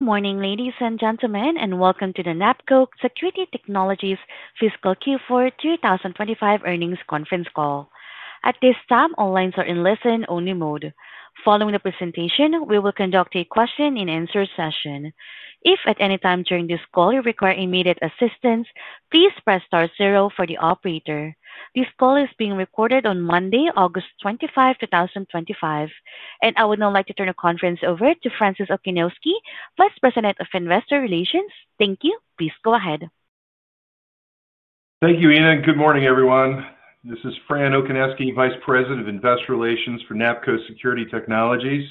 Good morning, ladies and gentlemen, and welcome to the NAPCO Security Technologies' Fiscal Q4 2025 Earnings Conference Call. At this time, all lines are in listen-only mode. Following the presentation, we will conduct a question-and-answer session. If at any time during this call you require immediate assistance, please press star zero for the operator. This call is being recorded on Monday, August 25, 2025. I would now like to turn the conference over to Francis Okoniewski, Vice President of Investor Relations. Thank you. Please go ahead. Thank you, Ian, and good morning, everyone. This is Francis Okoniewski, Vice President of Investor Relations for NAPCO Security Technologies.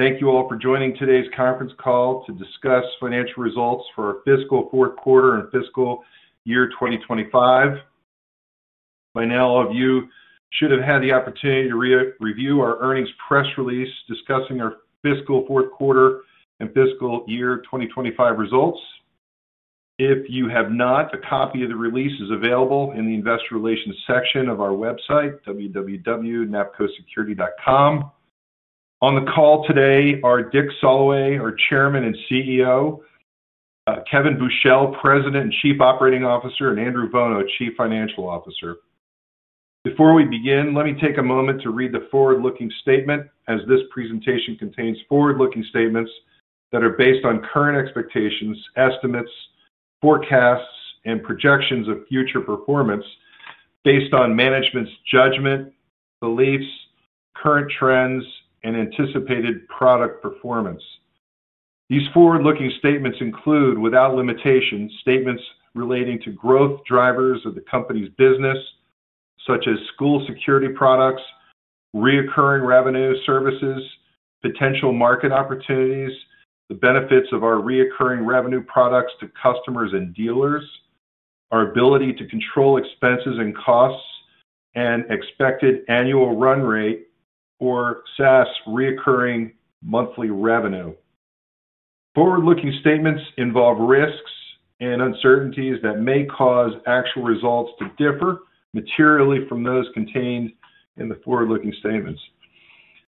Thank you all for joining today's conference call to discuss financial results for our fiscal fourth quarter and fiscal year 2025. By now, all of you should have had the opportunity to review our earnings press release discussing our fiscal fourth quarter and fiscal year 2025 results. If you have not, a copy of the release is available in the Investor Relations section of our website, www.napcosecurity.com. On the call today are Dick Soloway, our Chairman and CEO, Kevin Buchel, President and Chief Operating Officer, and Andrew Vuono, Chief Financial Officer. Before we begin, let me take a moment to read the forward-looking statement, as this presentation contains forward-looking statements that are based on current expectations, estimates, forecasts, and projections of future performance based on management's judgment, beliefs, current trends, and anticipated product performance. These forward-looking statements include, without limitation, statements relating to growth drivers of the company's business, such as school security products, recurring revenue services, potential market opportunities, the benefits of our recurring revenue products to customers and dealers, our ability to control expenses and costs, and expected annual run rate for SaaS recurring monthly revenue. Forward-looking statements involve risks and uncertainties that may cause actual results to differ materially from those contained in the forward-looking statements.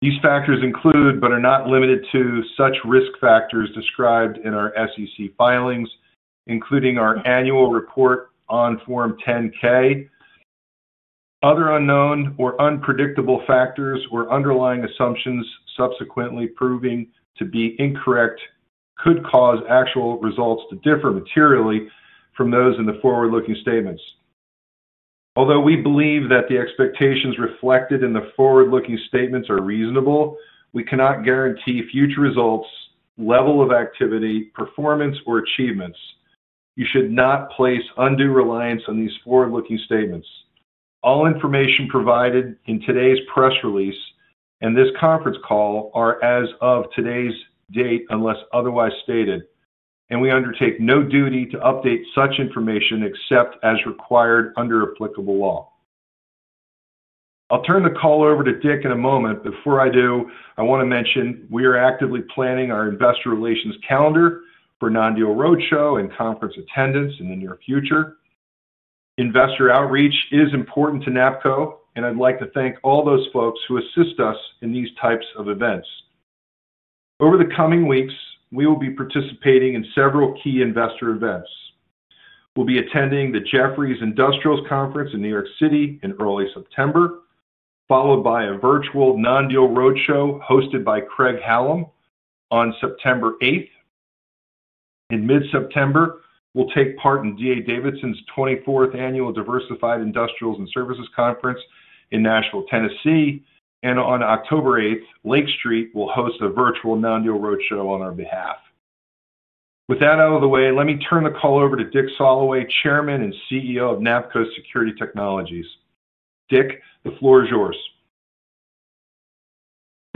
These factors include, but are not limited to, such risk factors described in our SEC filings, including our annual report on Form 10-K. Other unknown or unpredictable factors or underlying assumptions subsequently proving to be incorrect could cause actual results to differ materially from those in the forward-looking statements. Although we believe that the expectations reflected in the forward-looking statements are reasonable, we cannot guarantee future results, level of activity, performance, or achievements. You should not place undue reliance on these forward-looking statements. All information provided in today's press release and this conference call are as of today's date unless otherwise stated, and we undertake no duty to update such information except as required under applicable law. I'll turn the call over to Dick in a moment. Before I do, I want to mention we are actively planning our Investor Relations calendar for non-deal roadshow and conference attendance in the near future. Investor outreach is important to NAPCO, and I'd like to thank all those folks who assist us in these types of events. Over the coming weeks, we will be participating in several key investor events. We'll be attending the Jefferies Industrials Conference in New York City in early September, followed by a virtual non-deal roadshow hosted by Craig-Hallum on September 8th. In mid-September, we'll take part in D.A. Davidson's 24th Annual Diversified Industrials and Services Conference in Nashville, Tennessee, and on October 8th, Lake Street will host a virtual non-deal roadshow on our behalf. With that out of the way, let me turn the call over to Dick Soloway, Chairman and CEO of NAPCO Security Technologies. Dick, the floor is yours.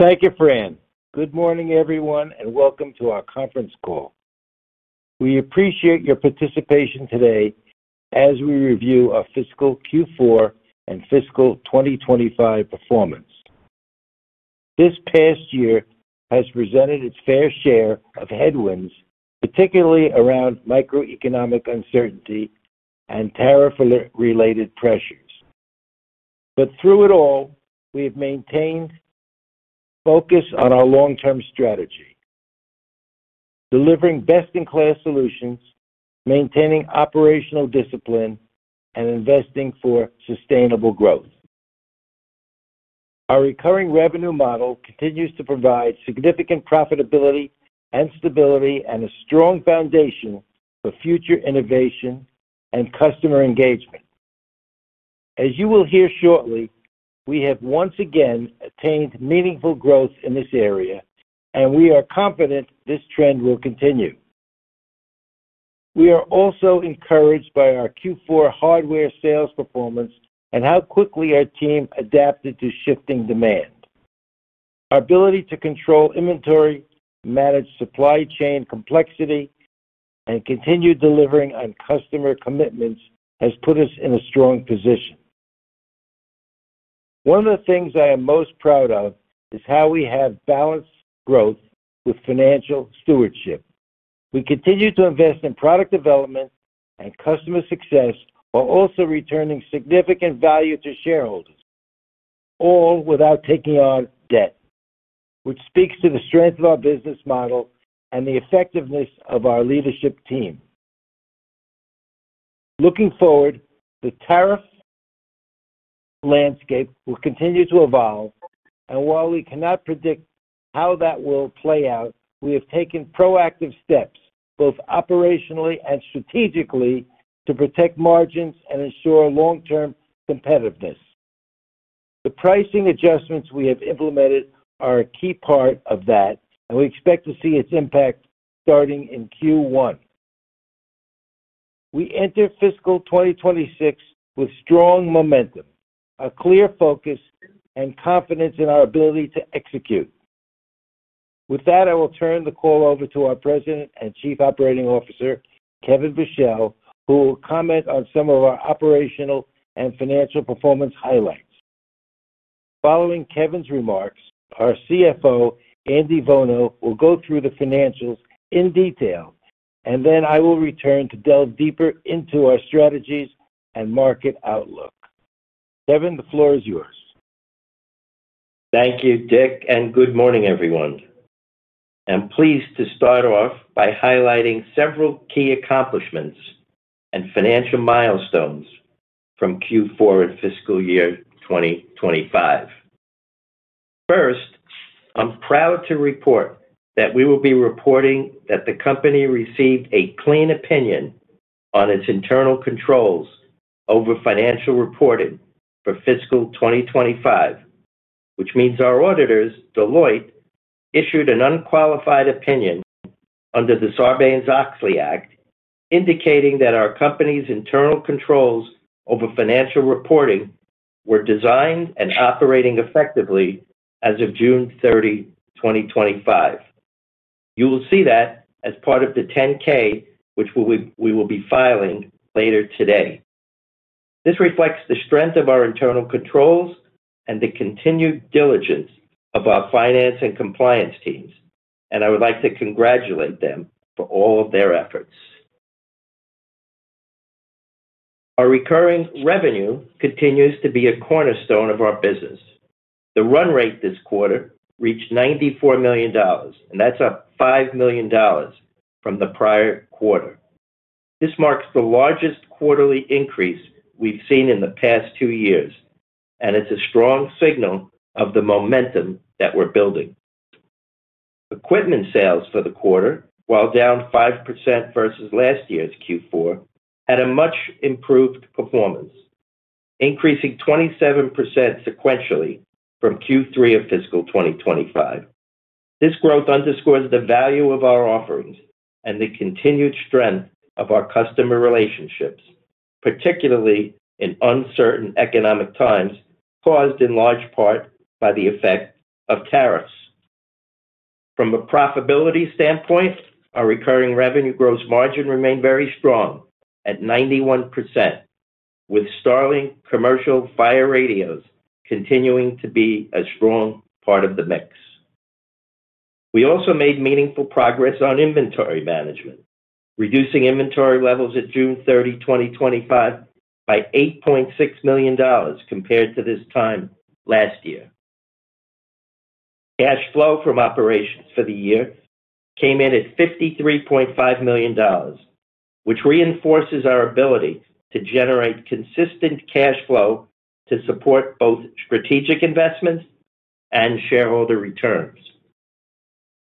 Thank you, Fran. Good morning, everyone, and welcome to our conference call. We appreciate your participation today as we review our fiscal Q4 and fiscal 2025 performance. This past year has presented its fair share of headwinds, particularly around microeconomic uncertainty and tariff-related pressures. Through it all, we've maintained focus on our long-term strategy, delivering best-in-class solutions, maintaining operational discipline, and investing for sustainable growth. Our recurring revenue model continues to provide significant profitability and stability and a strong foundation for future innovation and customer engagement. As you will hear shortly, we have once again attained meaningful growth in this area, and we are confident this trend will continue. We are also encouraged by our Q4 hardware sales performance and how quickly our team adapted to shifting demand. Our ability to control inventory, manage supply chain complexity, and continue delivering on customer commitments has put us in a strong position. One of the things I am most proud of is how we have balanced growth with financial stewardship. We continue to invest in product development and customer success while also returning significant value to shareholders, all without taking on debt, which speaks to the strength of our business model and the effectiveness of our leadership team. Looking forward, the tariff landscape will continue to evolve, and while we cannot predict how that will play out, we have taken proactive steps, both operationally and strategically, to protect margins and ensure long-term competitiveness. The pricing adjustments we have implemented are a key part of that, and we expect to see its impact starting in Q1. We enter fiscal 2026 with strong momentum, a clear focus, and confidence in our ability to execute. With that, I will turn the call over to our President and Chief Operating Officer, Kevin Buchel, who will comment on some of our operational and financial performance highlights. Following Kevin's remarks, our CFO, Andy Vuono, will go through the financials in detail, and then I will return to delve deeper into our strategies and market outlook. Kevin, the floor is yours. Thank you, Dick, and good morning, everyone. I'm pleased to start off by highlighting several key accomplishments and financial milestones from Q4 of fiscal year 2025. First, I'm proud to report that we will be reporting that the company received a clean opinion on its internal controls over financial reporting for fiscal 2025, which means our auditors, Deloitte, issued an unqualified opinion under the Sarbanes-Oxley Act, indicating that our company's internal controls over financial reporting were designed and operating effectively as of June 30, 2025. You will see that as part of the Form 10-K, which we will be filing later today. This reflects the strength of our internal controls and the continued diligence of our finance and compliance teams, and I would like to congratulate them for all of their efforts. Our recurring revenue continues to be a cornerstone of our business. The run rate this quarter reached $94 million, and that's up $5 million from the prior quarter. This marks the largest quarterly increase we've seen in the past two years, and it's a strong signal of the momentum that we're building. Equipment sales for the quarter, while down 5% versus last year's Q4, had a much improved performance, increasing 27% sequentially from Q3 of fiscal 2025. This growth underscores the value of our offerings and the continued strength of our customer relationships, particularly in uncertain economic times caused in large part by the effect of tariffs. From a profitability standpoint, our recurring revenue gross margin remained very strong at 91%, with StarLink Commercial Fire radios continuing to be a strong part of the mix. We also made meaningful progress on inventory management, reducing inventory levels at June 30, 2025, by $8.6 million compared to this time last year. Cash flow from operations for the year came in at $53.5 million, which reinforces our ability to generate consistent cash flow to support both strategic investments and shareholder returns.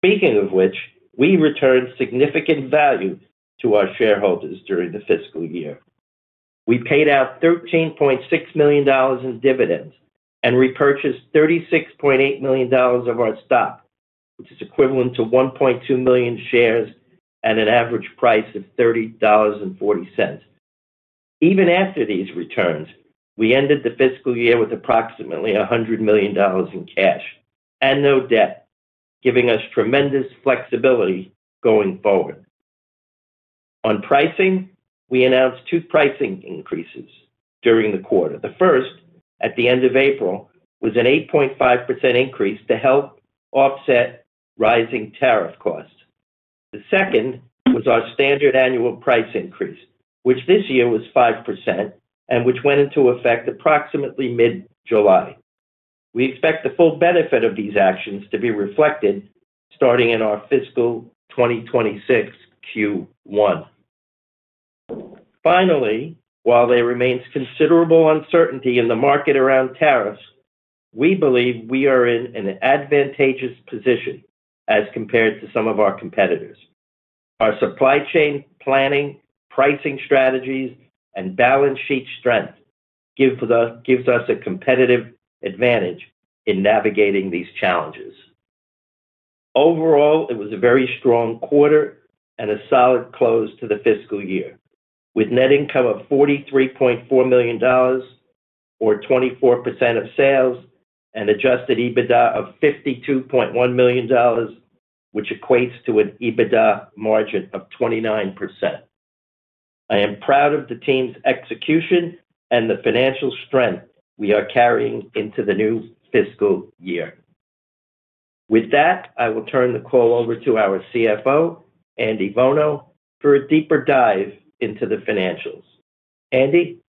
Speaking of which, we returned significant value to our shareholders during the fiscal year. We paid out $13.6 million in dividends and repurchased $36.8 million of our stock, which is equivalent to 1.2 million shares at an average price of $30.40. Even after these returns, we ended the fiscal year with approximately $100 million in cash and no debt, giving us tremendous flexibility going forward. On pricing, we announced two pricing increases during the quarter. The first, at the end of April, was an 8.5% increase to help offset rising tariff costs. The second was our standard annual price increase, which this year was 5% and which went into effect approximately mid-July. We expect the full benefit of these actions to be reflected starting in our fiscal 2026 Q1. Finally, while there remains considerable uncertainty in the market around tariffs, we believe we are in an advantageous position as compared to some of our competitors. Our supply chain planning, pricing strategies, and balance sheet strength give us a competitive advantage in navigating these challenges. Overall, it was a very strong quarter and a solid close to the fiscal year, with net income of $43.4 million, or 24% of sales, and adjusted EBITDA of $52.1 million, which equates to an EBITDA margin of 29%. I am proud of the team's execution and the financial strength we are carrying into the new fiscal year. With that, I will turn the call over to our CFO, Andy Vuono, for a deeper dive into the financials. Andy?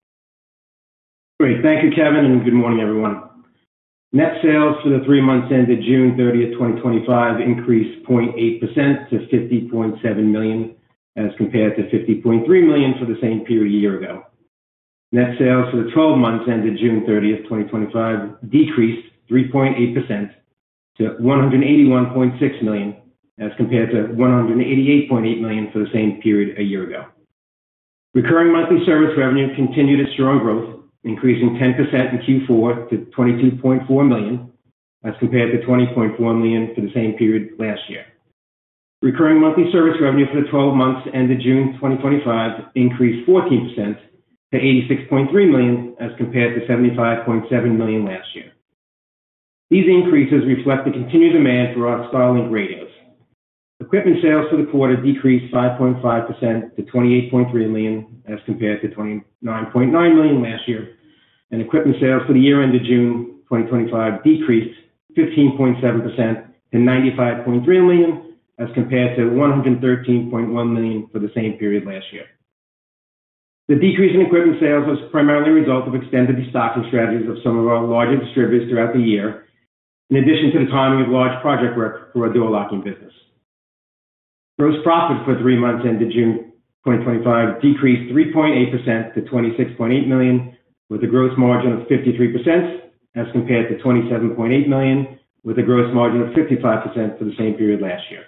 Great. Thank you, Kevin, and good morning, everyone. Net sales for the three months ended June 30, 2025, increased 0.8% to $50.7 million as compared to $50.3 million for the same period a year ago. Net sales for the 12 months ended June 30, 2025, decreased 3.8% to $181.6 million as compared to $188.8 million for the same period a year ago. Recurring monthly service revenue continued its strong growth, increasing 10% in Q4 to $22.4 million as compared to $20.4 million for the same period last year. Recurring monthly service revenue for the 12 months ended June 2025, increased 14% to $86.3 million as compared to $75.7 million last year. These increases reflect the continued demand for our StarLink radios. Equipment sales for the quarter decreased 5.5% to $28.3 million as compared to $29.9 million last year, and equipment sales for the year ended June 2025, decreased 15.7% to $95.3 million as compared to $113.1 million for the same period last year. The decrease in equipment sales was primarily a result of extended stocking strategies of some of our larger distributors throughout the year, in addition to the timing of large project reps for our door locking business. Gross profit for the three months ended June 2025, decreased 3.8% to $26.8 million, with a gross margin of 53% as compared to $27.8 million, with a gross margin of 55% for the same period last year.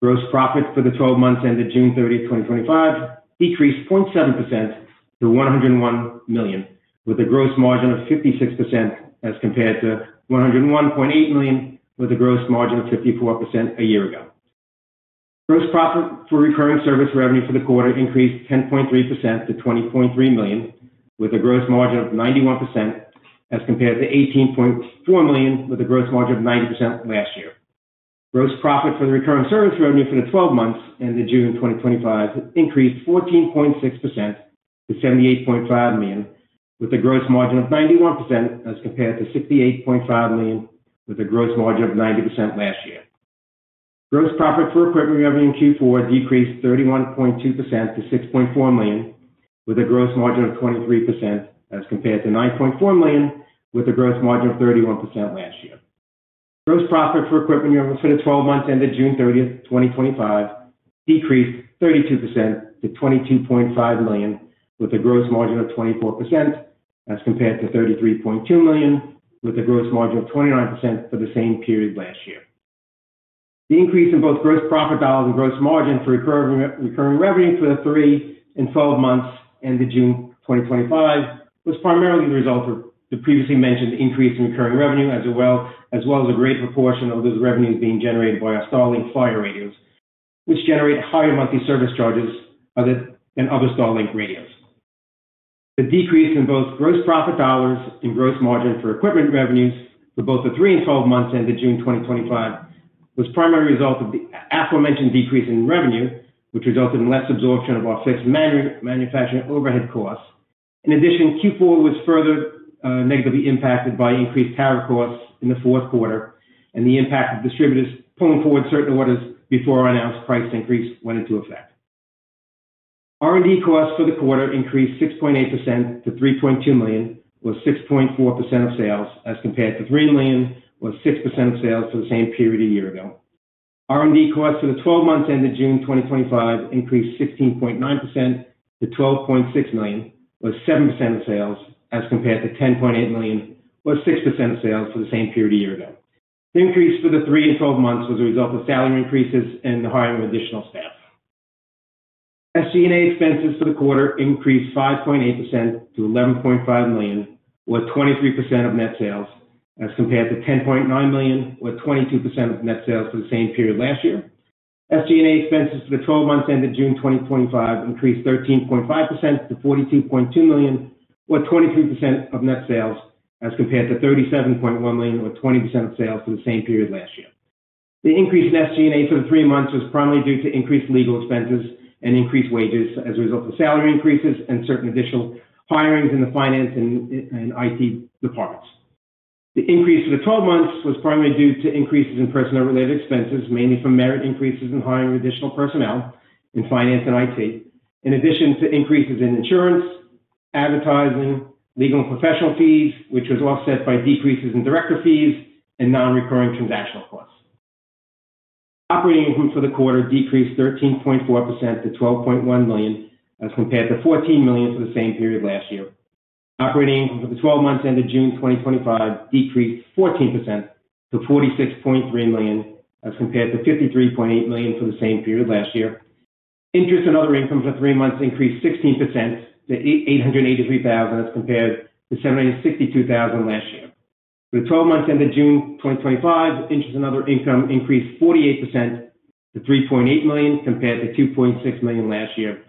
Gross profit for the 12 months ended June 30, 2025, decreased 0.7% to $101 million, with a gross margin of 56% as compared to $101.8 million, with a gross margin of 54% a year ago. Gross profit for recurring service revenue for the quarter increased 10.3% to $20.3 million, with a gross margin of 91% as compared to $18.4 million, with a gross margin of 90% last year. Gross profit for the recurring service revenue for the 12 months ended June 2025, increased 14.6% to $78.5 million, with a gross margin of 91% as compared to $68.5 million, with a gross margin of 90% last year. Gross profit for equipment revenue in Q4 decreased 31.2% to $6.4 million, with a gross margin of 23% as compared to $9.4 million, with a gross margin of 31% last year. Gross profit for equipment revenue for the 12 months ended June 30, 2025, decreased 32% to $22.5 million, with a gross margin of 24% as compared to $33.2 million, with a gross margin of 29% for the same period last year. The increase in both gross profit dollars and gross margin for recurring revenue for the three and 12 months ended June 2025 was primarily the result of the previously mentioned increase in recurring revenue, as well as a greater proportion of those revenues being generated by our StarLink Fire radios, which generate higher monthly service charges than other StarLink radios. The decrease in both gross profit dollars and gross margin for equipment revenues for both the three and 12 months ended June 2025 was primarily a result of the aforementioned decrease in revenue, which resulted in less absorption of our fixed manufacturing overhead costs. In addition, Q4 was further negatively impacted by increased tariff costs in the fourth quarter and the impact of distributors pulling forward certain orders before our announced price increase went into effect. R&D costs for the quarter increased 6.8% to $3.2 million, or 6.4% of sales, as compared to $3 million, or 6% of sales for the same period a year ago. R&D costs for the 12 months ended June 2025 increased 16.9% to $12.6 million, or 7% of sales, as compared to $10.8 million, or 6% of sales for the same period a year ago. The increase for the three and 12 months was a result of salary increases and the hiring of additional staff. SG&A expenses for the quarter increased 5.8% to $11.5 million, or 23% of net sales, as compared to $10.9 million, or 22% of net sales for the same period last year. SG&A expenses for the 12 months ended June 2025 increased 13.5% to $42.2 million, or 23% of net sales, as compared to $37.1 million, or 20% of sales for the same period last year. The increase in SG&A for the three months was primarily due to increased legal expenses and increased wages as a result of salary increases and certain additional hirings in the finance and IT departments. The increase for the 12 months was primarily due to increases in personnel-related expenses, mainly from merit increases and hiring of additional personnel in finance and IT, in addition to increases in insurance, advertising, legal and professional fees, which was offset by decreases in director fees and non-recurring transactional costs. Operating income for the quarter decreased 13.4% to $12.1 million, as compared to $14 million for the same period last year. Operating income for the 12 months ended June 2025 decreased 14% to $46.3 million, as compared to $53.8 million for the same period last year. Interest and other income for three months increased 16% to $883,000 as compared to $762,000 last year. For the 12 months ended June 2025, interest and other income increased 48% to $3.8 million, compared to $2.6 million last year.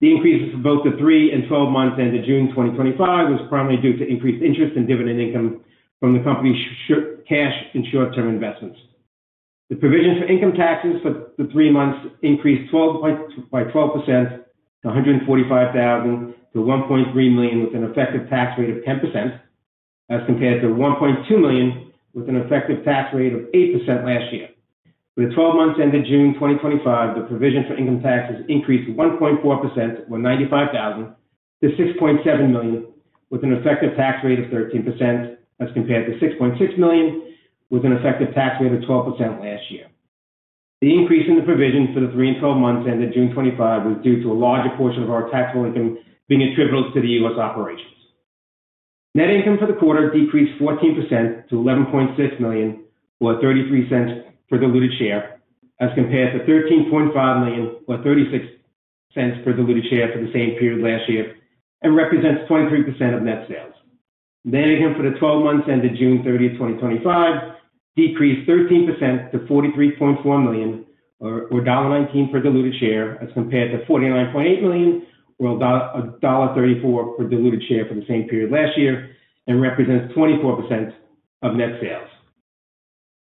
The increases for both the three and 12 months ended June 2025 were primarily due to increased interest and dividend income from the company's cash and short-term investments. The provision for income taxes for the three months increased 12% to $1.3 million, with an effective tax rate of 10%, as compared to $1.2 million, with an effective tax rate of 8% last year. For the 12 months ended June 2025, the provision for income taxes increased 1.4%, or $95,000, to $6.7 million, with an effective tax rate of 13%, as compared to $6.6 million, with an effective tax rate of 12% last year. The increase in the provision for the three and 12 months ended June 2025 was due to a larger portion of our taxable income being attributable to the U.S. operations. Net income for the quarter decreased 14% to $11.6 million, or $0.33 per diluted share, as compared to $13.5 million, or $0.36 per diluted share for the same period last year, and represents 23% of net sales. Net income for the 12 months ended June 30, 2025, decreased 13% to $43.4 million, or $1.19 per diluted share, as compared to $49.8 million, or $1.34 per diluted share for the same period last year, and represents 24% of net sales.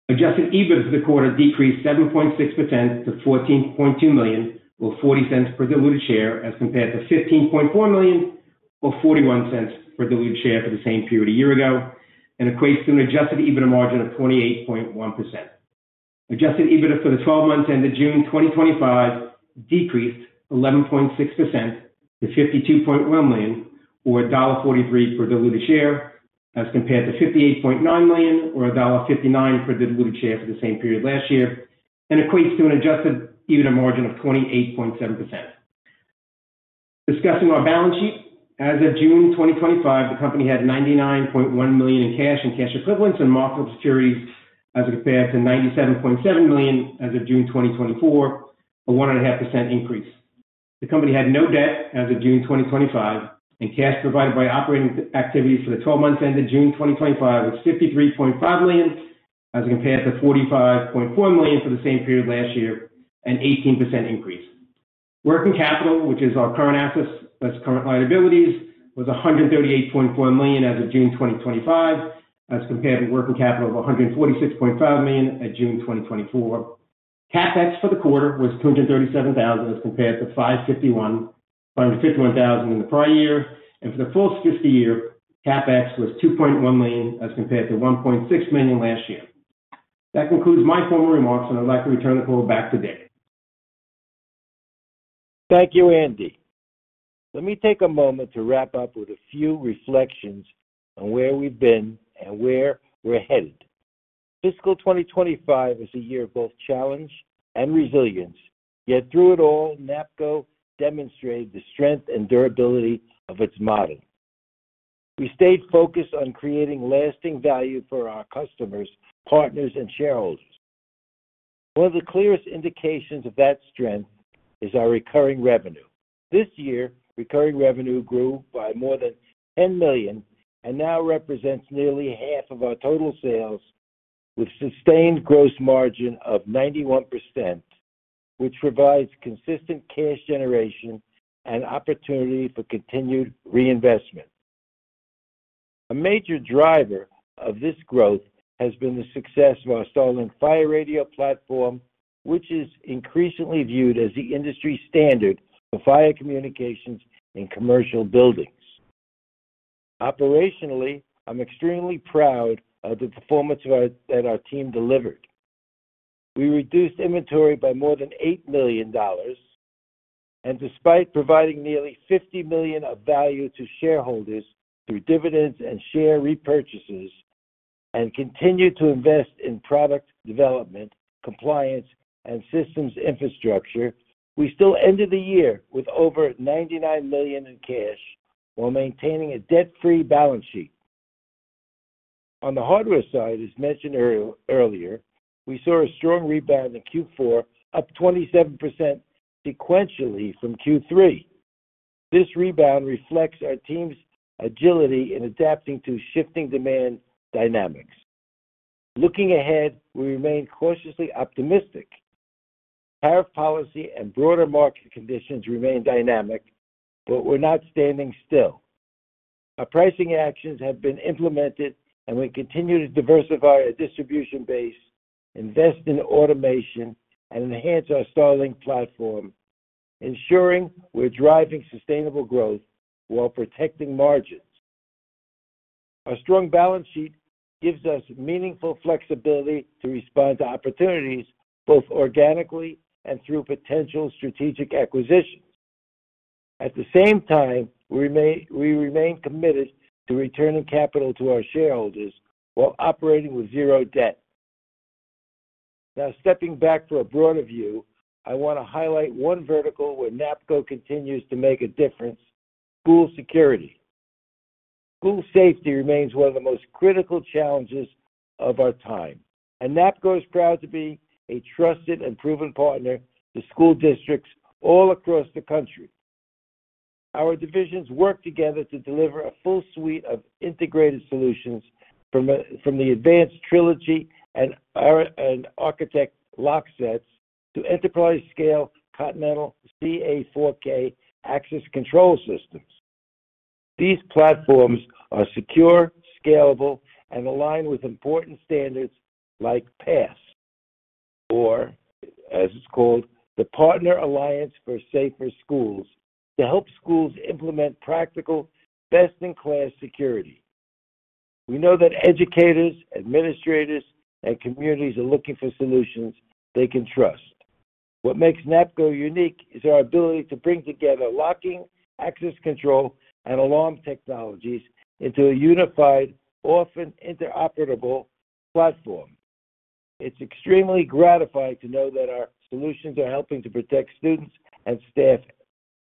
Adjusted EBITDA for the quarter decreased 7.6% to $14.2 million, or $0.40 per diluted share, as compared to $15.4 million, or $0.41 per diluted share for the same period a year ago, and equates to an adjusted EBITDA margin of 28.1%. Adjusted EBITDA for the 12 months ended June 2025 decreased 11.6% to $52.1 million, or $1.43 per diluted share, as compared to $58.9 million, or $1.59 per diluted share for the same period last year, and equates to an adjusted EBITDA margin of 28.7%. Discussing our balance sheet, as of June 2025, the company had $99.1 million in cash and cash equivalents and marketable securities, as compared to $97.7 million as of June 2024, a 1.5% increase. The company had no debt as of June 2025, and cash provided by operating activities for the 12 months ended June 2025 was $53.5 million, as compared to $45.4 million for the same period last year, an 18% increase. Working capital, which is our current assets minus current liabilities, was $138.4 million as of June 2025, as compared to working capital of $146.5 million at June 2024. CapEx for the quarter was $237,000 as compared to $551,000 in the prior year, and for the full fiscal year, CapEx was $2.1 million as compared to $1.6 million last year. That concludes my formal remarks, and I'd like to return the call back to Dick. Thank you, Andy. Let me take a moment to wrap up with a few reflections on where we've been and where we're headed. Fiscal 2025 is a year of both challenge and resilience, yet through it all, NAPCO demonstrated the strength and durability of its model. We stayed focused on creating lasting value for our customers, partners, and shareholders. One of the clearest indications of that strength is our recurring revenue. This year, recurring revenue grew by more than $10 million and now represents nearly half of our total sales, with a sustained gross margin of 91%, which provides consistent cash generation and opportunity for continued reinvestment. A major driver of this growth has been the success of our Fire radios platform, which is increasingly viewed as the industry standard for fire communications in commercial buildings. Operationally, I'm extremely proud of the performance that our team delivered. We reduced inventory by more than $8 million, and despite providing nearly $50 million of value to shareholders through dividends and share repurchases and continued to invest in product development, compliance, and systems infrastructure, we still ended the year with over $99 million in cash while maintaining a debt-free balance sheet. On the hardware side, as mentioned earlier, we saw a strong rebound in Q4, up 27% sequentially from Q3. This rebound reflects our team's agility in adapting to shifting demand dynamics. Looking ahead, we remain cautiously optimistic. Tariff policy and broader market conditions remain dynamic, but we're not standing still. Our pricing actions have been implemented, and we continue to diversify our distribution base, invest in automation, and enhance our StarLink platform, ensuring we're driving sustainable growth while protecting margins. Our strong balance sheet gives us meaningful flexibility to respond to opportunities, both organically and through potential strategic acquisitions. At the same time, we remain committed to returning capital to our shareholders while operating with zero debt. Now, stepping back for a broader view, I want to highlight one vertical where NAPCO continues to make a difference: school security. School safety remains one of the most critical challenges of our time, and NAPCO is proud to be a trusted and proven partner to school districts all across the country. Our divisions work together to deliver a full suite of integrated solutions from the advanced Trilogy and ArchiTect locksets to enterprise-scale Continental CA4K access control systems. These platforms are secure, scalable, and aligned with important standards like PASS, or as it's called, the Partner Alliance for Safer Schools, to help schools implement practical, best-in-class security. We know that educators, administrators, and communities are looking for solutions they can trust. What makes NAPCO unique is our ability to bring together locking, access control, and alarm technologies into a unified, often interoperable platform. It's extremely gratifying to know that our solutions are helping to protect students and staff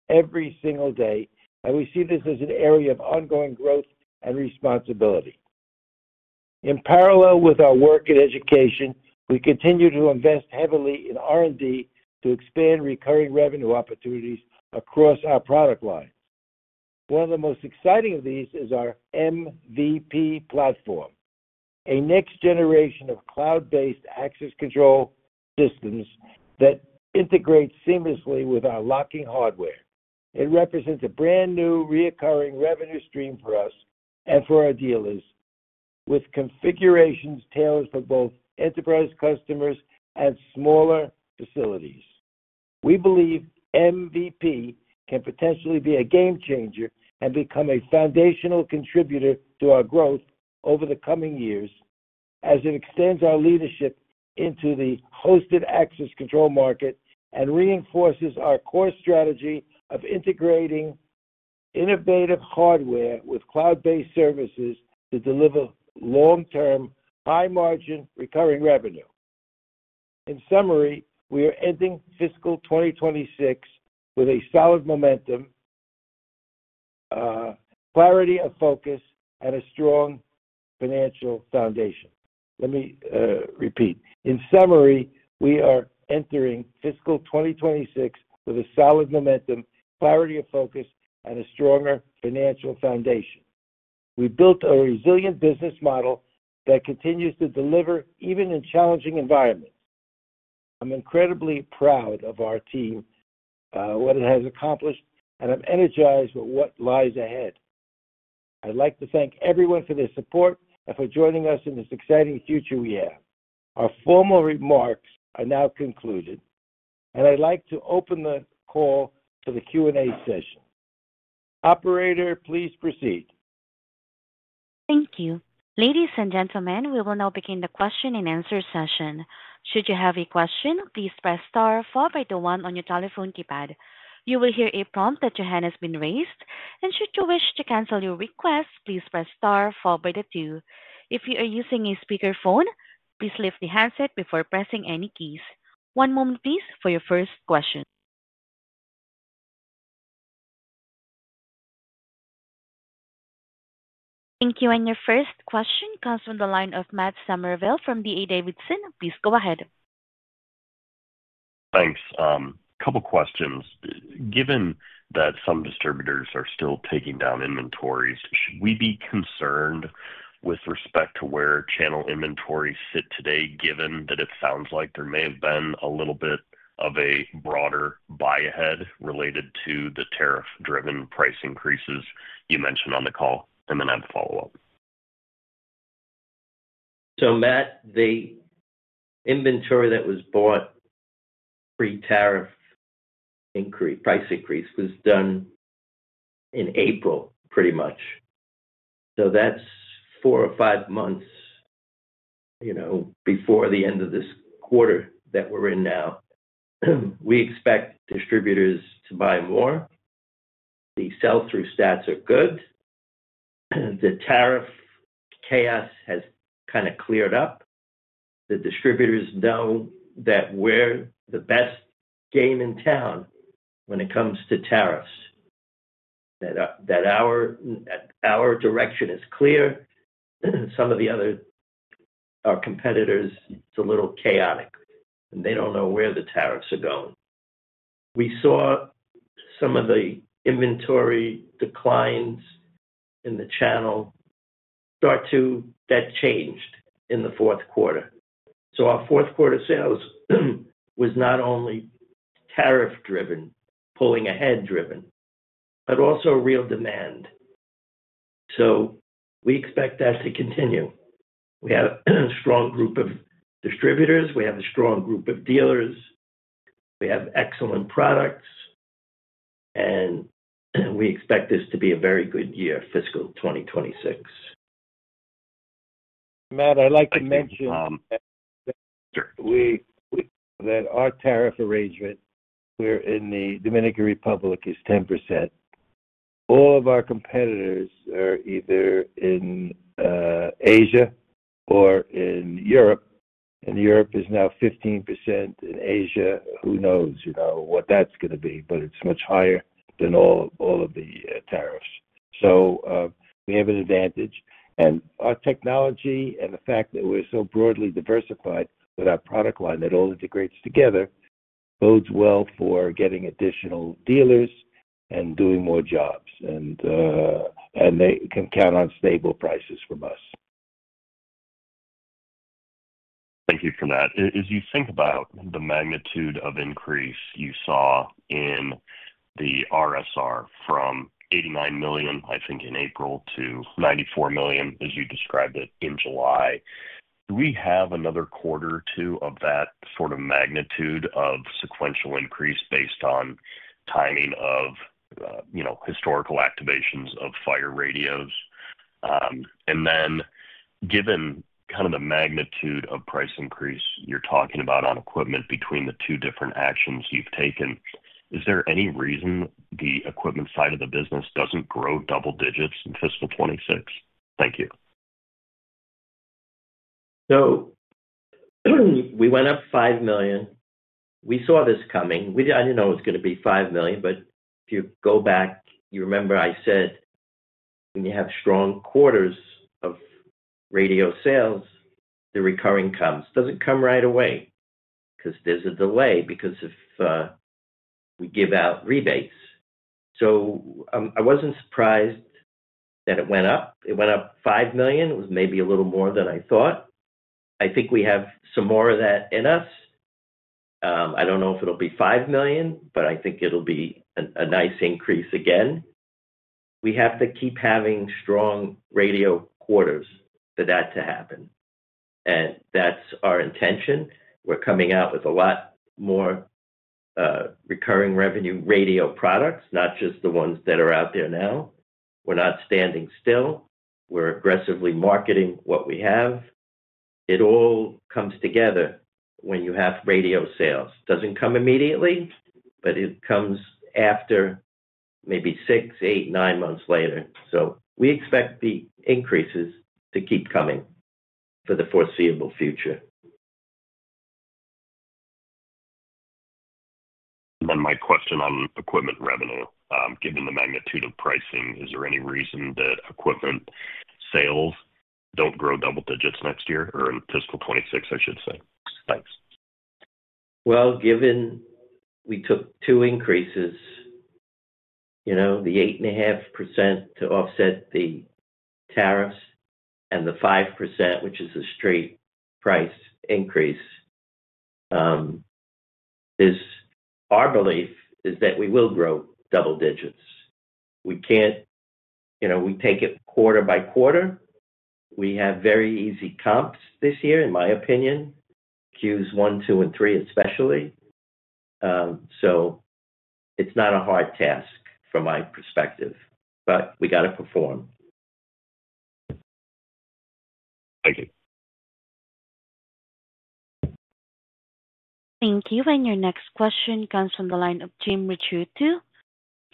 every single day, and we see this as an area of ongoing growth and responsibility. In parallel with our work in education, we continue to invest heavily in R&D to expand recurring revenue opportunities across our product line. One of the most exciting of these is our MVP platform, a next generation of cloud-based access control systems that integrate seamlessly with our locking hardware. It represents a brand new recurring revenue stream for us and for our dealers, with configurations tailored for both enterprise customers and smaller facilities. We believe MVP can potentially be a game changer and become a foundational contributor to our growth over the coming years, as it extends our leadership into the hosted access control market and reinforces our core strategy of integrating innovative hardware with cloud-based services to deliver long-term, high-margin recurring revenue. In summary, we are ending fiscal 2026 with a solid momentum, clarity of focus, and a strong financial foundation. Let me repeat. In summary, we are entering fiscal 2026 with a solid momentum, clarity of focus, and a stronger financial foundation. We built a resilient business model that continues to deliver even in challenging environments. I'm incredibly proud of our team, what it has accomplished, and I'm energized with what lies ahead. I'd like to thank everyone for their support and for joining us in this exciting future we have. Our formal remarks are now concluded, and I'd like to open the call for the Q&A session. Operator, please proceed. Thank you. Ladies and gentlemen, we will now begin the question and answer session. Should you have a question, please press star four by the one on your telephone keypad. You will hear a prompt that your hand has been raised, and should you wish to cancel your request, please press star four by the two. If you are using a speakerphone, please lift the handset before pressing any keys. One moment, please, for your first question. Thank you. Your first question comes from the line of Matt Summerville from D.A. Davidson. Please go ahead. Thanks. A couple of questions. Given that some distributors are still taking down inventories, should we be concerned with respect to where channel inventories sit today, given that it sounds like there may have been a little bit of a broader buy-ahead related to the tariff-driven price increases you mentioned on the call? I have a follow-up. Matt, the inventory that was bought pre-tariff price increase was done in April, pretty much. That's four or five months before the end of this quarter that we're in now. We expect distributors to buy more. The sell-through stats are good. The tariff chaos has kind of cleared up. The distributors know that we're the best game in town when it comes to tariffs. Our direction is clear. Some of the other competitors, it's a little chaotic, and they don't know where the tariffs are going. We saw some of the inventory declines in the channel. That changed in the fourth quarter. Our fourth quarter sales were not only tariff-driven, pulling-ahead-driven, but also real demand. We expect that to continue. We have a strong group of distributors. We have a strong group of dealers. We have excellent products, and we expect this to be a very good year, fiscal 2026. Matt, I'd like to mention that our tariff arrangement, we're in the Dominican Republic, is 10%. All of our competitors are either in Asia or in Europe, and Europe is now 15%. In Asia, who knows, you know, what that's going to be, but it's much higher than all of the tariffs. We have an advantage, and our technology and the fact that we're so broadly diversified with our product line that all integrates together bodes well for getting additional dealers and doing more jobs, and they can count on stable prices from us. Thank you for that. As you think about the magnitude of increase you saw in the RSR from $89 million, I think, in April to $94 million, as you described it in July, do we have another quarter or two of that sort of magnitude of sequential increase based on timing of, you know, historical activations of Fire radios? Given kind of the magnitude of price increase you're talking about on equipment between the two different actions you've taken, is there any reason the equipment side of the business doesn't grow double digits in fiscal 2026? Thank you. We went up $5 million. We saw this coming. I didn't know it was going to be $5 million, but if you go back, you remember I said when you have strong quarters of radio sales, the recurring comes doesn't come right away because there's a delay because if we give out rebates. I wasn't surprised that it went up. It went up $5 million. It was maybe a little more than I thought. I think we have some more of that in us. I don't know if it'll be $5 million, but I think it'll be a nice increase again. We have to keep having strong radio quarters for that to happen, and that's our intention. We're coming out with a lot more recurring revenue radio products, not just the ones that are out there now. We're not standing still. We're aggressively marketing what we have. It all comes together when you have radio sales. It doesn't come immediately, but it comes after maybe six months, eight months, nine months later. We expect the increases to keep coming for the foreseeable future. My question on equipment revenue, given the magnitude of pricing, is there any reason that equipment sales don't grow double digits next year or in fiscal 2026? Thanks. Given we took two increases, you know, the 8.5% to offset the tariffs and the 5%, which is a straight price increase, our belief is that we will grow double digits. We can't, you know, we take it quarter-by-quarter. We have very easy comps this year, in my opinion, Q1, Q2, and Q3 especially. It's not a hard task from my perspective, but we got to perform. Thank you. Thank you. Your next question comes from the line of Jim Ricchiuti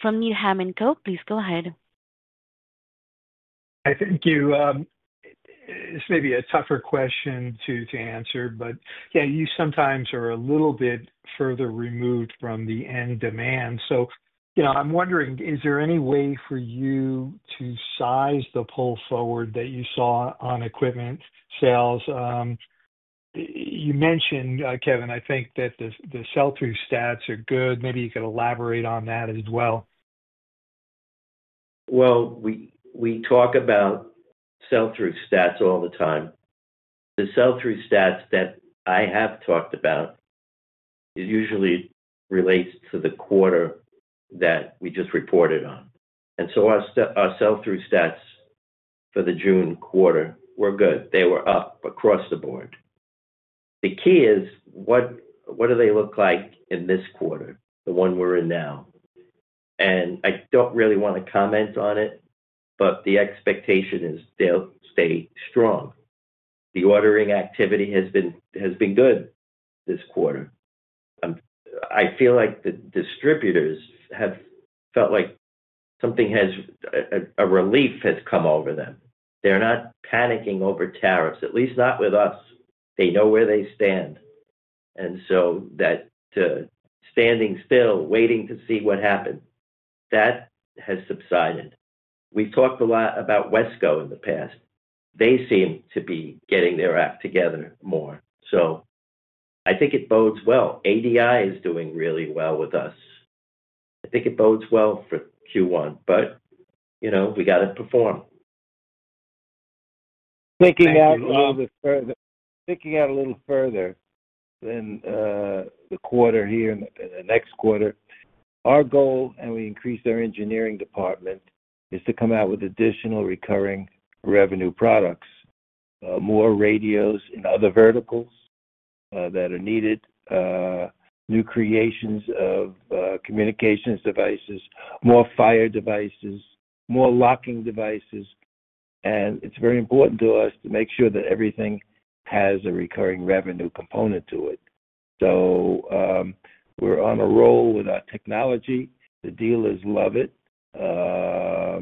from Needham & Co. Please go ahead. I think it's maybe a tougher question to answer, but you sometimes are a little bit further removed from the end demand. I'm wondering, is there any way for you to size the pull forward that you saw on equipment sales? You mentioned, Kevin, I think that the sell-through stats are good. Maybe you could elaborate on that as well. We talk about sell-through stats all the time. The sell-through stats that I have talked about usually relate to the quarter that we just reported on. Our sell-through stats for the June quarter were good. They were up across the board. The key is, what do they look like in this quarter, the one we're in now? I don't really want to comment on it, but the expectation is they'll stay strong. The ordering activity has been good this quarter. I feel like the distributors have felt like something, a relief, has come over them. They're not panicking over tariffs, at least not with us. They know where they stand. That standing still, waiting to see what happened, has subsided. We've talked a lot about Wesco in the past. They seem to be getting their act together more. I think it bodes well. ADI is doing really well with us. I think it bodes well for Q1, but you know, we got to perform. Thinking out a little further than the quarter here and the next quarter, our goal, and we increased our engineering department, is to come out with additional recurring revenue products, more radios in other verticals that are needed, new creations of communications devices, more fire devices, more locking devices. It is very important to us to make sure that everything has a recurring revenue component to it. We are on a roll with our technology. The dealers love it. We are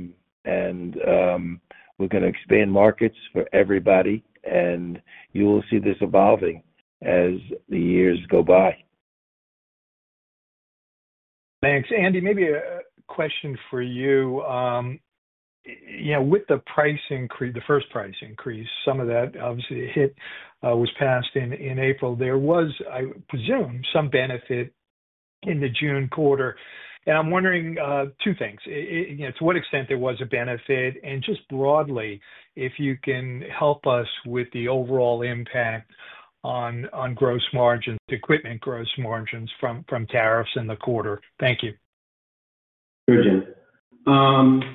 going to expand markets for everybody, and you will see this evolving as the years go by. Thanks. Andy, maybe a question for you. You know, with the price increase, the first price increase, some of that obviously was passed in April. There was, I presume, some benefit in the June quarter. I'm wondering two things. To what extent there was a benefit and just broadly, if you can help us with the overall impact on gross margins, the equipment gross margins from tariffs in the quarter. Thank you. Sure, Jim.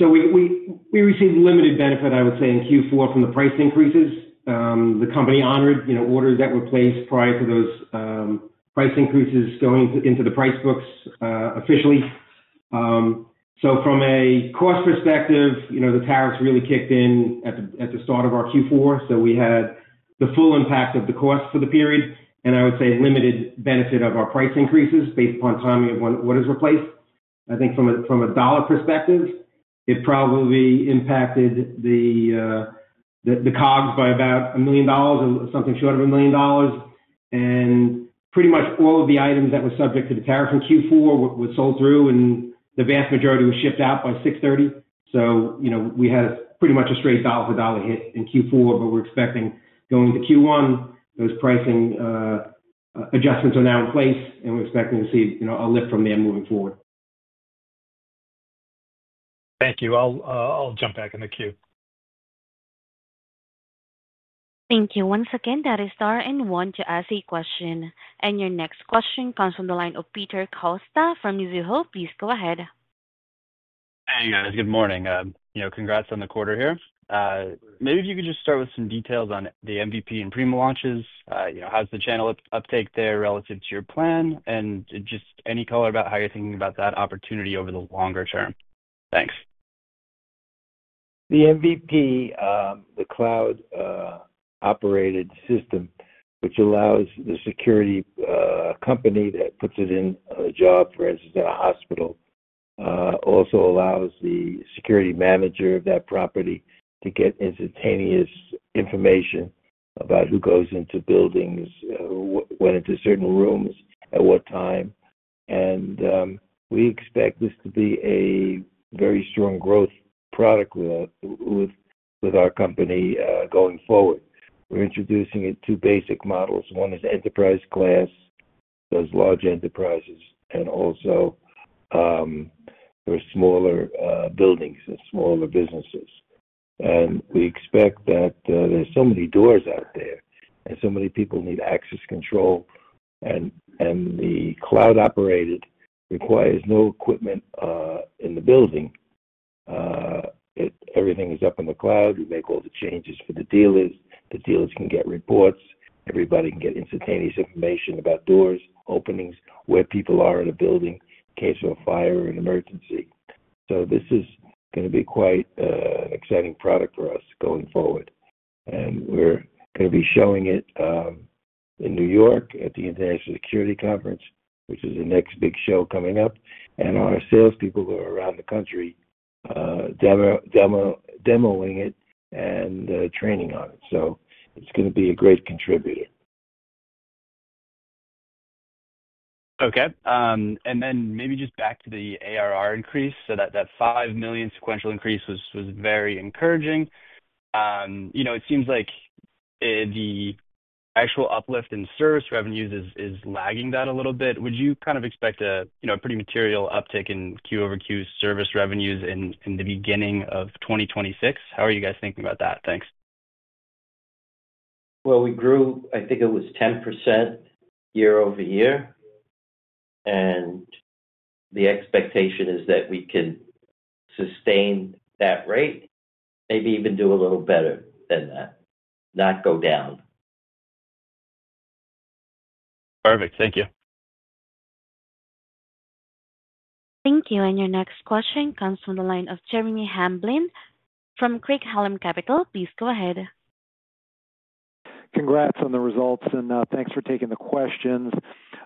We received limited benefit, I would say, in Q4 from the price increases. The company honored, you know, orders that were placed prior to those price increases going into the price books officially. From a cost perspective, you know, the tariffs really kicked in at the start of our Q4. We had the full impact of the cost for the period, and I would say limited benefit of our price increases based upon the time we had one order replaced. I think from a dollar perspective, it probably impacted the COGS by about $1 million or something short of $1 million. Pretty much all of the items that were subject to the tariff in Q4 were sold through, and the vast majority were shipped out by 6/30. We had pretty much a straight dollar-for-dollar hit in Q4, but we're expecting going to Q1, those pricing adjustments are now in place, and we're expecting to see, you know, a lift from there moving forward. Thank you. I'll jump back in the queue. Thank you. Once again, that is star and want to ask a question. Your next question comes from the line of Peter Costa from Mizuho. Please go ahead. Hey, guys. Good morning. Congrats on the quarter here. Maybe if you could just start with some details on the MVP and Prima launches. How's the channel uptake there relative to your plan? Any color about how you're thinking about that opportunity over the longer term? Thanks. The MVP, the cloud-operated system, which allows the security company that puts it in a job, for instance, in a hospital, also allows the security manager of that property to get instantaneous information about who goes into buildings, who went into certain rooms, at what time. We expect this to be a very strong growth product with our company going forward. We're introducing it to basic models. One is enterprise class, those large enterprises, and also there are smaller buildings and smaller businesses. We expect that there's so many doors out there and so many people need access control. The cloud-operated requires no equipment in the building. Everything is up in the cloud. We make all the changes for the dealers. The dealers can get reports. Everybody can get instantaneous information about doors, openings, where people are in a building in case of a fire or an emergency. This is going to be quite an exciting product for us going forward. We're going to be showing it in New York at the International Security Conference, which is the next big show coming up. Our salespeople are around the country demoing it and training on it. It's going to be a great contributor. Okay. Maybe just back to the ARR increase. That $5 million sequential increase was very encouraging. It seems like the actual uplift in service revenues is lagging that a little bit. Would you kind of expect a pretty material uptick in Q-over-Q service revenues in the beginning of 2026? How are you guys thinking about that? Thanks. We grew, I think it was 10% year-over-year, and the expectation is that we can sustain that rate, maybe even do a little better than that, not go down. Perfect. Thank you. Thank you. Your next question comes from the line of Jeremy Hamblin from Craig-Hallum Capital. Please go ahead. Congrats on the results and thanks for taking the questions.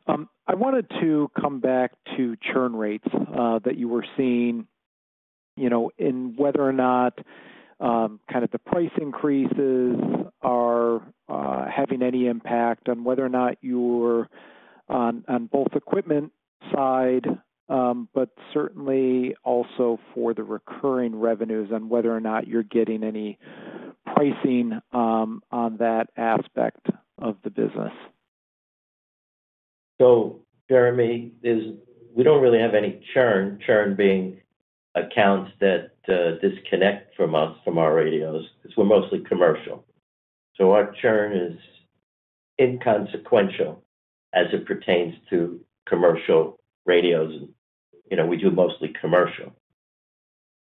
I wanted to come back to churn rates that you were seeing, you know, and whether or not kind of the price increases are having any impact on whether or not you're on both equipment side, but certainly also for the recurring revenues on whether or not you're getting any pricing on that aspect of the business. Jeremy, we don't really have any churn, churn being accounts that disconnect from us from our radios because we're mostly commercial. Our churn is inconsequential as it pertains to commercial radios. We do mostly commercial.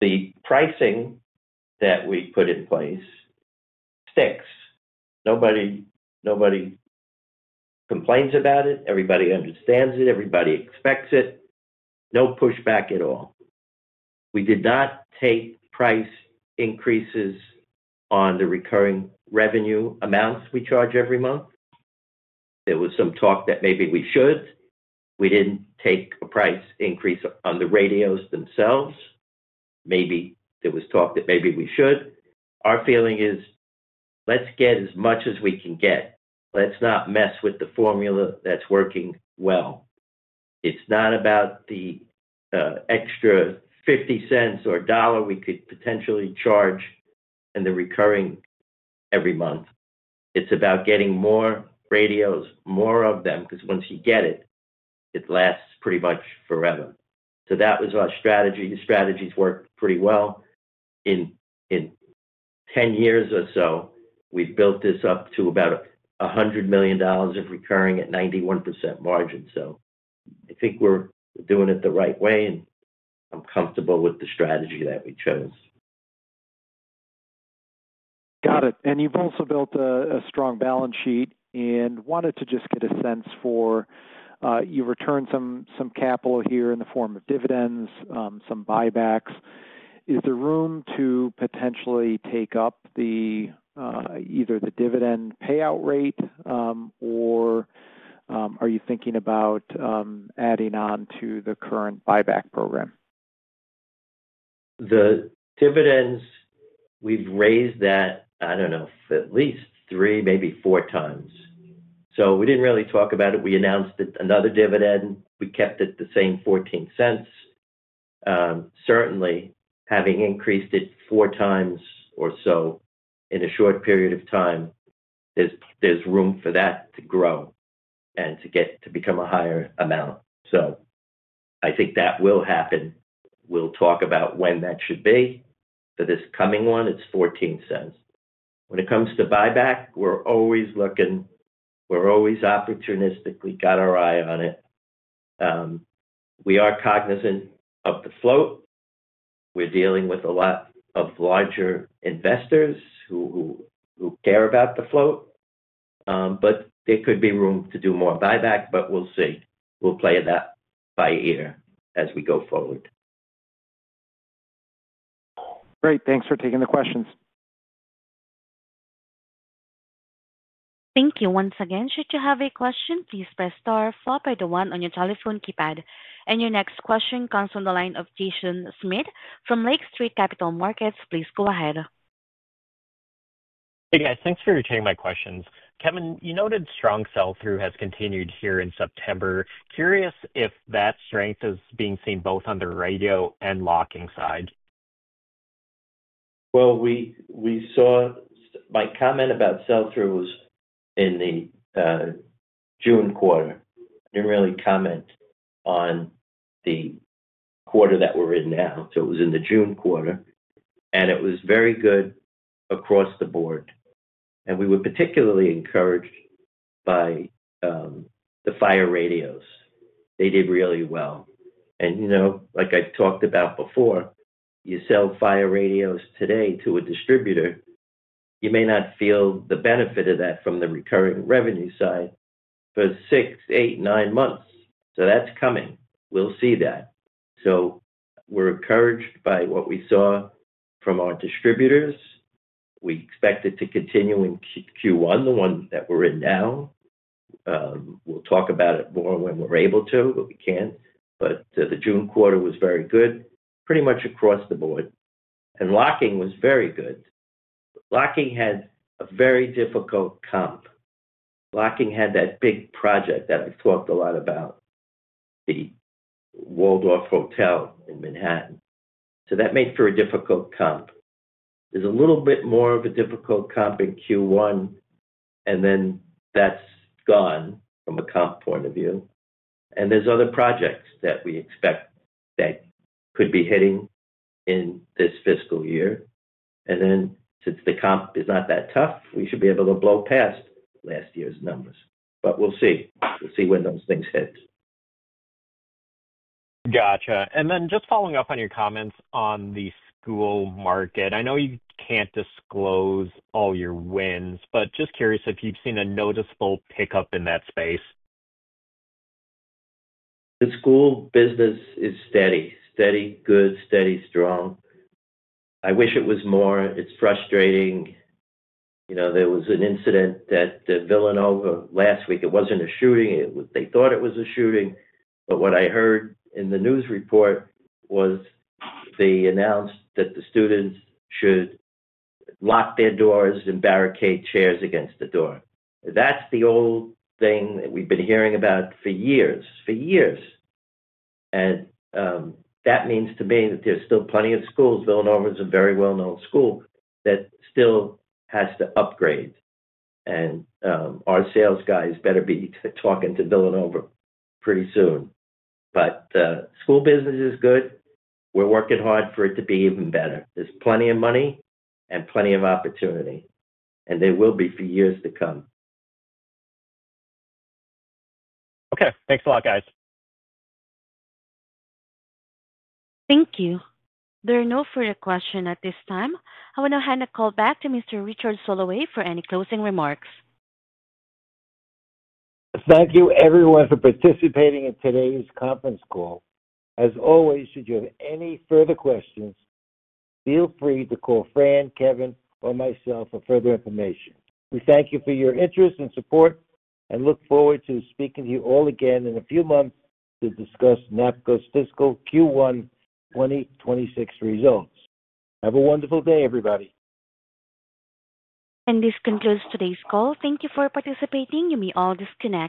The pricing that we put in place sticks. Nobody complains about it. Everybody understands it. Everybody expects it. No pushback at all. We did not take price increases on the recurring revenue amounts we charge every month. There was some talk that maybe we should. We didn't take a price increase on the radios themselves. Maybe there was talk that maybe we should. Our feeling is let's get as much as we can get. Let's not mess with the formula that's working well. It's not about the extra $0.50 or $1 we could potentially charge in the recurring every month. It's about getting more radios, more of them, because once you get it, it lasts pretty much forever. That was our strategy. The strategy's worked pretty well. In 10 years or so, we built this up to about $100 million of recurring at 91% margin. I think we're doing it the right way, and I'm comfortable with the strategy that we chose. Got it. You've also built a strong balance sheet and wanted to just get a sense for you returned some capital here in the form of dividends, some buybacks. Is there room to potentially take up either the dividend payout rate, or are you thinking about adding on to the current buyback program? The dividends, we've raised that, I don't know, at least 3x, maybe 4x. We didn't really talk about it. We announced another dividend. We kept it the same at $0.14. Certainly, having increased it 4x or so in a short period of time, there's room for that to grow and to get it to become a higher amount. I think that will happen. We'll talk about when that should be. For this coming one, it's $0.14. When it comes to buyback, we're always looking. We're always opportunistically got our eye on it. We are cognizant of the float. We're dealing with a lot of larger investors who care about the float, but there could be room to do more buyback. We'll see. We'll play that by ear as we go forward. Great. Thanks for taking the questions. Thank you. Once again, should you have a question, please press star four by the one on your telephone keypad. Your next question comes from the line of Jaeson Schmidt from Lake Street Capital Markets. Please go ahead. Hey, guys. Thanks for returning my questions. Kevin, you noted strong sell-through has continued here in September. Curious if that strength is being seen both on the radio and locking side. My comment about sell-through was in the June quarter. I didn't really comment on the quarter that we're in now. It was in the June quarter, and it was very good across the board. We were particularly encouraged by the fire radios. They did really well. Like I've talked about before, you sell fire radios today to a distributor, you may not feel the benefit of that from the recurring revenue side for six months, eight months, nine months. That's coming. We'll see that. We are encouraged by what we saw from our distributors. We expect it to continue in Q1, the one that we're in now. We'll talk about it more when we're able to, but we can't. The June quarter was very good, pretty much across the board. Locking was very good. Locking had a very difficult comp. Locking had that big project that I've talked a lot about, the Waldorf Hotel in Manhattan. That made for a difficult comp. There's a little bit more of a difficult comp in Q1, and then that's gone from a comp point of view. There are other projects that we expect that could be hitting in this fiscal year. Since the comp is not that tough, we should be able to blow past last year's numbers. We'll see. We'll see when those things hit. Gotcha. Just following up on your comments on the school market, I know you can't disclose all your wins, but just curious if you've seen a noticeable pickup in that space. The school business is steady. Steady, good, steady, strong. I wish it was more. It's frustrating. You know, there was an incident at Villanova last week, it wasn't a shooting. They thought it was a shooting. What I heard in the news report was they announced that the students should lock their doors and barricade chairs against the door. That's the old thing that we've been hearing about for years, for years. That means to me that there's still plenty of schools. Villanova is a very well-known school that still has to upgrade. Our sales guys better be talking to Villanova pretty soon. The school business is good. We're working hard for it to be even better. There's plenty of money and plenty of opportunity, and there will be for years to come. Okay, thanks a lot, guys. Thank you. There are no further questions at this time. I want to hand the call back to Mr. Richard Soloway for any closing remarks. Thank you, everyone, for participating in today's conference call. As always, should you have any further questions, feel free to call Fran, Kevin, or myself for further information. We thank you for your interest and support and look forward to speaking to you all again in a few months to discuss NAPCO' fiscal Q1 2026 results. Have a wonderful day, everybody. This concludes today's call. Thank you for participating. You may all disconnect.